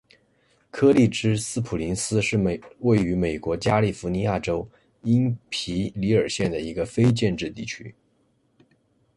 柯立芝斯普林斯是位于美国加利福尼亚州因皮里尔县的一个非建制地区。